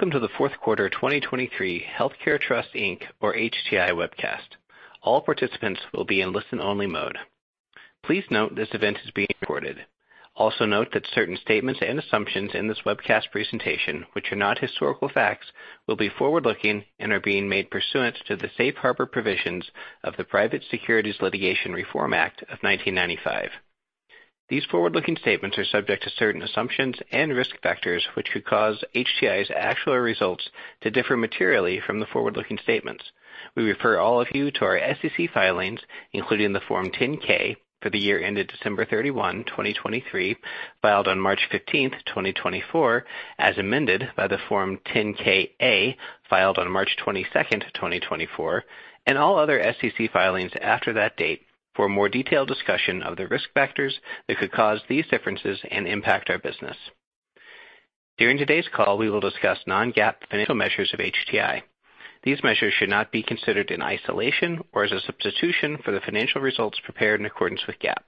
Welcome to the fourth quarter 2023 Healthcare Trust, Inc., or HTI webcast. All participants will be in listen-only mode. Please note this event is being recorded. Also note that certain statements and assumptions in this webcast presentation, which are not historical facts, will be forward-looking and are being made pursuant to the safe harbor provisions of the Private Securities Litigation Reform Act of 1995. These forward-looking statements are subject to certain assumptions and risk factors, which could cause HTI's actual results to differ materially from the forward-looking statements. We refer all of you to our SEC filings, including the Form 10-K for the year ended December 31, 2023, filed on March 15th, 2024, as amended by the Form 10-K, filed on March 22nd, 2024, and all other SEC filings after that date for a more detailed discussion of the risk factors that could cause these differences and impact our business. During today's call, we will discuss non-GAAP financial measures of HTI. These measures should not be considered in isolation or as a substitution for the financial results prepared in accordance with GAAP.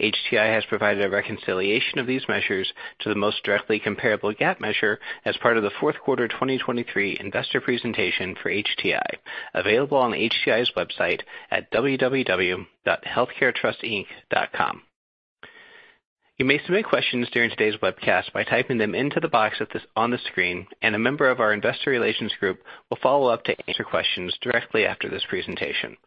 HTI has provided a reconciliation of these measures to the most directly comparable GAAP measure as part of the fourth quarter 2023 investor presentation for HTI, available on HTI's website at www.healthcaretrustinc.com. You may submit questions during today's webcast by typing them into the box on the screen, and a member of our investor relations group will follow up to answer questions directly after this presentation.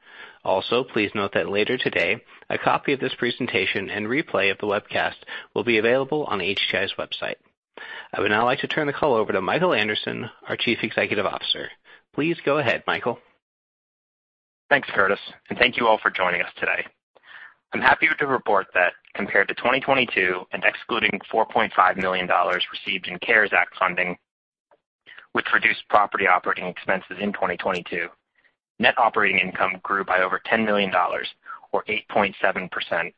Also, please note that later today, a copy of this presentation and replay of the webcast will be available on HTI's website. I would now like to turn the call over to Michael Anderson, our Chief Executive Officer. Please go ahead, Michael. Thanks, Curtis. Thank you all for joining us today. I'm happy to report that compared to 2022 and excluding $4.5 million received in CARES Act funding, which reduced property operating expenses in 2022, net operating income grew by over $10 million, or 8.7%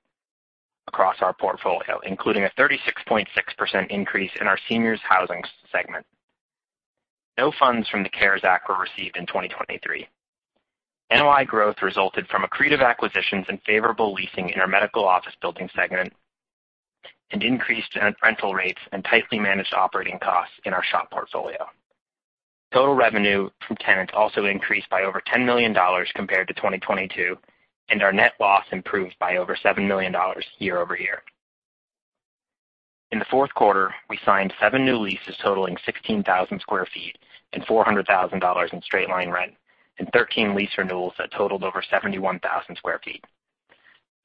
across our portfolio, including a 36.6% increase in our seniors housing segment. No funds from the CARES Act were received in 2023. NOI growth resulted from accretive acquisitions and favorable leasing in our medical office building segment and increased rental rates and tightly managed operating costs in our SHOP portfolio. Total revenue from tenants also increased by over $10 million compared to 2022, and our net loss improved by over $7 million year-over-year. In the fourth quarter, we signed seven new leases totaling 16,000 sq ft and $400,000 in straight-line rent, and 13 lease renewals that totaled over 71,000 sq ft.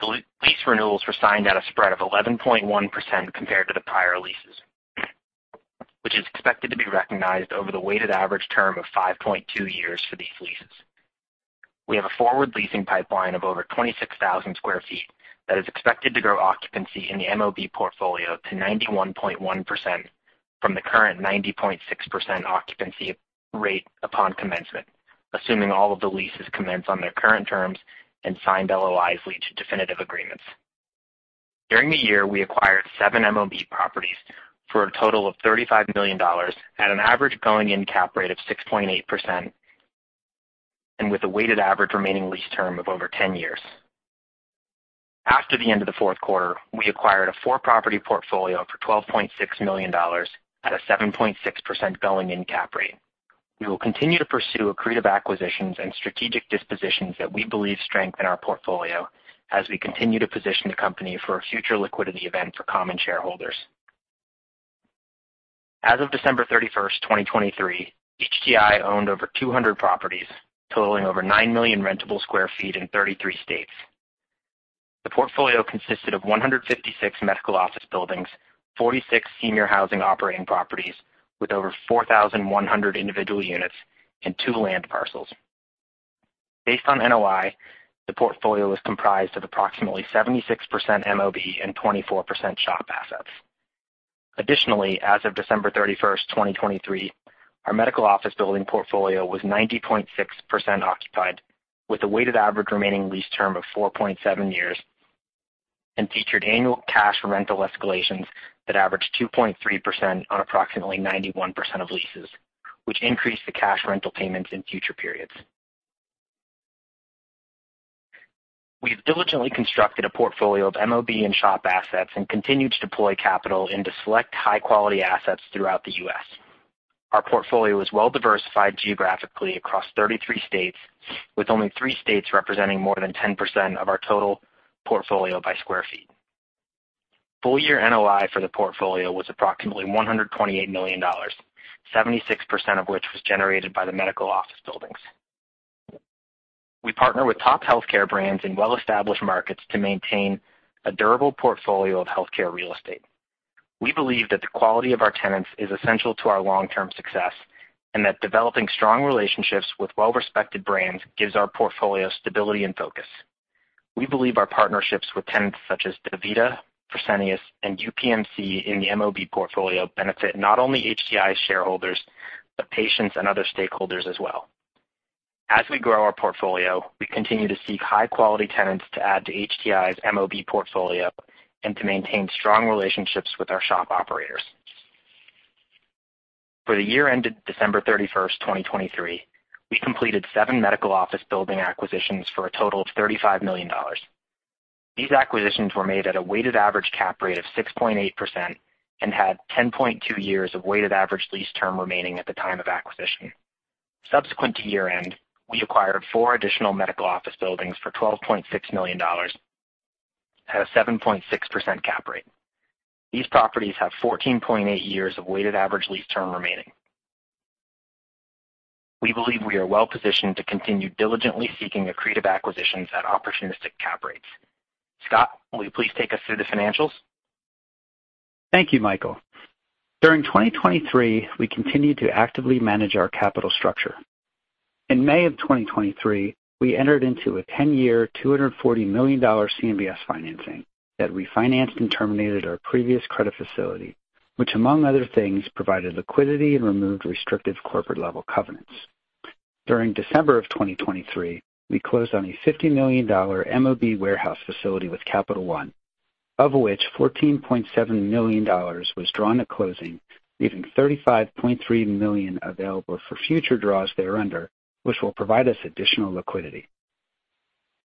The lease renewals were signed at a spread of 11.1% compared to the prior leases, which is expected to be recognized over the weighted average term of 5.2 years for these leases. We have a forward leasing pipeline of over 26,000 sq ft that is expected to grow occupancy in the MOB portfolio to 91.1% from the current 90.6% occupancy rate upon commencement, assuming all of the leases commence on their current terms and signed LOIs lead to definitive agreements. During the year, we acquired seven MOB properties for a total of $35 million at an average going-in cap rate of 6.8% and with a weighted average remaining lease term of over 10 years. After the end of the fourth quarter, we acquired a four-property portfolio for $12.6 million at a 7.6% going-in cap rate. We will continue to pursue accretive acquisitions and strategic dispositions that we believe strengthen our portfolio as we continue to position the company for a future liquidity event for common shareholders. As of December 31st, 2023, HTI owned over 200 properties totaling over 9 million rentable square feet in 33 states. The portfolio consisted of 156 medical office buildings, 46 senior housing operating properties with over 4,100 individual units and two land parcels. Based on NOI, the portfolio was comprised of approximately 76% MOB and 24% SHOP assets. Additionally, as of December 31st, 2023, our medical office building portfolio was 90.6% occupied with a weighted average remaining lease term of 4.7 years and featured annual cash rental escalations that averaged 2.3% on approximately 91% of leases, which increased the cash rental payments in future periods. We've diligently constructed a portfolio of MOB and SHOP assets and continue to deploy capital into select high-quality assets throughout the U.S. Our portfolio is well diversified geographically across 33 states, with only three states representing more than 10% of our total portfolio by square feet. Full year NOI for the portfolio was approximately $128 million, 76% of which was generated by the medical office buildings. We partner with top healthcare brands in well-established markets to maintain a durable portfolio of healthcare real estate. We believe that the quality of our tenants is essential to our long-term success and that developing strong relationships with well-respected brands gives our portfolio stability and focus. We believe our partnerships with tenants such as DaVita, Fresenius, and UPMC in the MOB portfolio benefit not only HTI shareholders, but patients and other stakeholders as well. As we grow our portfolio, we continue to seek high-quality tenants to add to HTI's MOB portfolio and to maintain strong relationships with our SHOP operators. For the year ended December 31st, 2023, we completed seven medical office building acquisitions for a total of $35 million. These acquisitions were made at a weighted average cap rate of 6.8% and had 10.2 years of weighted average lease term remaining at the time of acquisition. Subsequent to year-end, we acquired four additional medical office buildings for $12.6 million at a 7.6% cap rate. These properties have 14.8 years of weighted average lease term remaining. We believe we are well-positioned to continue diligently seeking accretive acquisitions at opportunistic cap rates. Scott, will you please take us through the financials? Thank you, Michael. During 2023, we continued to actively manage our capital structure. In May of 2023, we entered into a 10-year, $240 million CMBS financing that refinanced and terminated our previous credit facility, which, among other things, provided liquidity and removed restrictive corporate-level covenants. During December of 2023, we closed on a $50 million MOB warehouse facility with Capital One, of which $14.7 million was drawn at closing, leaving $35.3 million available for future draws thereunder, which will provide us additional liquidity.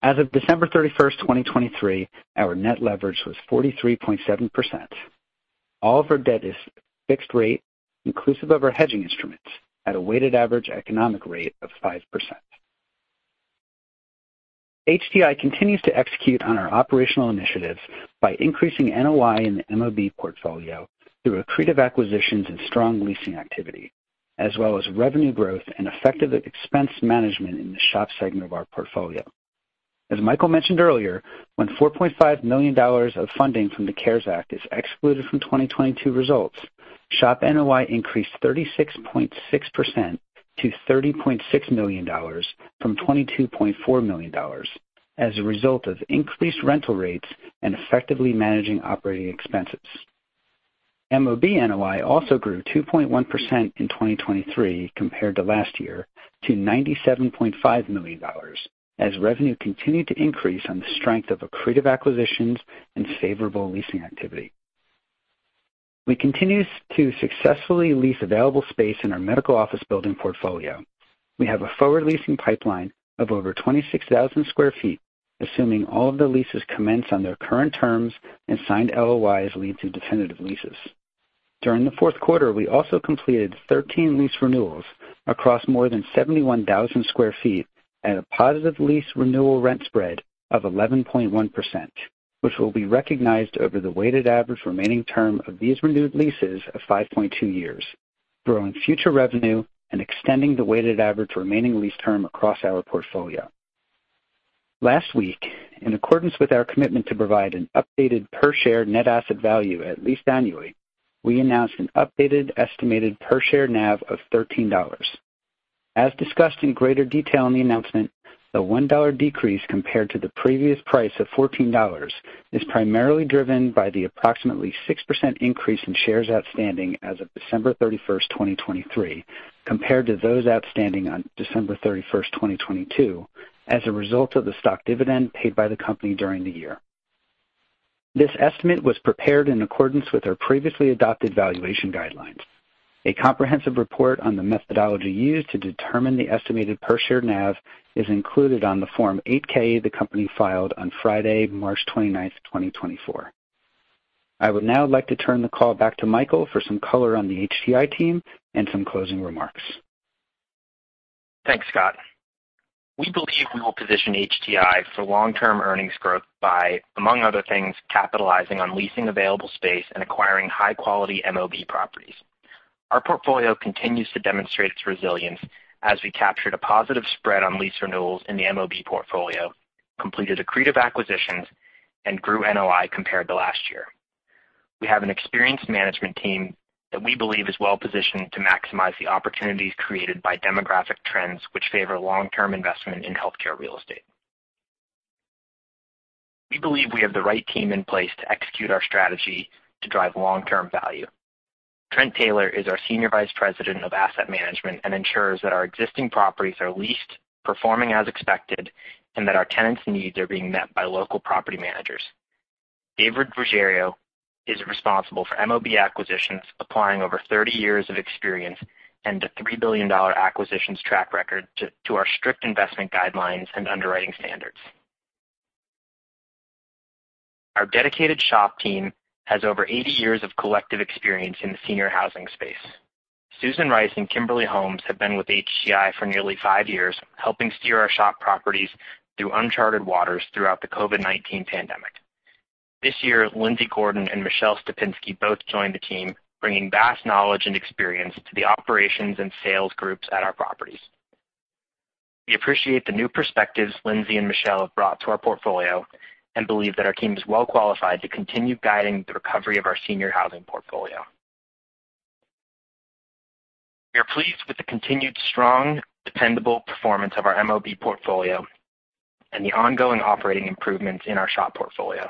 As of December 31st, 2023, our net leverage was 43.7%. All of our debt is fixed rate, inclusive of our hedging instruments, at a weighted average economic rate of 5%. HTI continues to execute on our operational initiatives by increasing NOI in the MOB portfolio through accretive acquisitions and strong leasing activity, as well as revenue growth and effective expense management in the SHOP segment of our portfolio. As Michael mentioned earlier, when $4.5 million of funding from the CARES Act is excluded from 2022 results, SHOP NOI increased 36.6% to $30.6 million from $22.4 million as a result of increased rental rates and effectively managing operating expenses. MOB NOI also grew 2.1% in 2023 compared to last year to $97.5 million, as revenue continued to increase on the strength of accretive acquisitions and favorable leasing activity. We continue to successfully lease available space in our medical office building portfolio. We have a forward leasing pipeline of over 26,000 sq ft, assuming all of the leases commence on their current terms and signed LOIs lead to definitive leases. During the fourth quarter, we also completed 13 lease renewals across more than 71,000 sq ft at a positive lease renewal rent spread of 11.1%, which will be recognized over the weighted average remaining term of these renewed leases of 5.2 years, growing future revenue and extending the weighted average remaining lease term across our portfolio. Last week, in accordance with our commitment to provide an updated per-share net asset value at least annually, we announced an updated estimated per-share NAV of $13. As discussed in greater detail in the announcement, the $1 decrease compared to the previous price of $14 is primarily driven by the approximately 6% increase in shares outstanding as of December 31st, 2023, compared to those outstanding on December 31st, 2022, as a result of the stock dividend paid by the company during the year. This estimate was prepared in accordance with our previously adopted valuation guidelines. A comprehensive report on the methodology used to determine the estimated per-share NAV is included on the Form 8-K the company filed on Friday, March 29th, 2024. I would now like to turn the call back to Michael for some color on the HTI team and some closing remarks. Thanks, Scott. We believe we will position HTI for long-term earnings growth by, among other things, capitalizing on leasing available space and acquiring high-quality MOB properties. Our portfolio continues to demonstrate its resilience as we captured a positive spread on lease renewals in the MOB portfolio, completed accretive acquisitions, and grew NOI compared to last year. We have an experienced management team that we believe is well-positioned to maximize the opportunities created by demographic trends which favor long-term investment in healthcare real estate. We believe we have the right team in place to execute our strategy to drive long-term value. Trent Taylor is our Senior Vice President of Asset Management and ensures that our existing properties are leased, performing as expected, and that our tenants' needs are being met by local property managers. David Ruggiero is responsible for MOB acquisitions, applying over 30 years of experience and a $3 billion acquisitions track record to our strict investment guidelines and underwriting standards. Our dedicated SHOP team has over 80 years of collective experience in the senior housing space. Susan Rice and Kimberly Holmes have been with HTI for nearly five years, helping steer our SHOP properties through unchartered waters throughout the COVID-19 pandemic. This year, Lindsay Gordon and Michelle Stepinski both joined the team, bringing vast knowledge and experience to the operations and sales groups at our properties. We appreciate the new perspectives Lindsay and Michelle have brought to our portfolio and believe that our team is well qualified to continue guiding the recovery of our senior housing portfolio. We are pleased with the continued strong, dependable performance of our MOB portfolio and the ongoing operating improvements in our SHOP portfolio.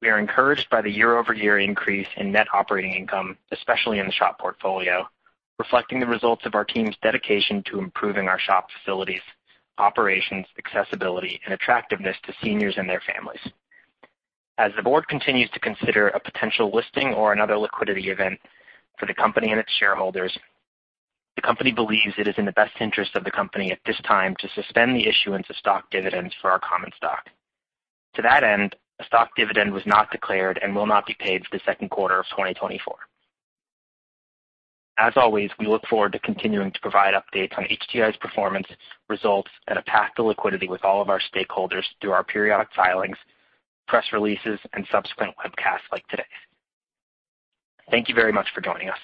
We are encouraged by the year-over-year increase in net operating income, especially in the SHOP portfolio, reflecting the results of our team's dedication to improving our SHOP facilities' operations, accessibility, and attractiveness to seniors and their families. As the board continues to consider a potential listing or another liquidity event for the company and its shareholders, the company believes it is in the best interest of the company at this time to suspend the issuance of stock dividends for our common stock. To that end, a stock dividend was not declared and will not be paid for the second quarter of 2024. As always, we look forward to continuing to provide updates on HTI's performance, results, and a path to liquidity with all of our stakeholders through our periodic filings, press releases, and subsequent webcasts like today's. Thank you very much for joining us.